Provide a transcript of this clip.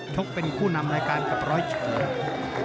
กเป็นคู่นำรายการกับร้อยเชิงครับ